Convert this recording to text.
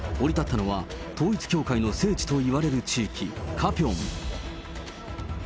降り立ったのは、統一教会の聖地といわれる地域、カピョン。